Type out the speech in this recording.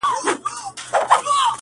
د ساینس او مثبته پوهنو په اړه واورېدل